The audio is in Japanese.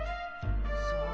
そう。